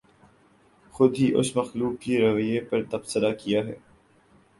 خود ہی اس مخلوق کے رویے پر تبصرہ کیاہے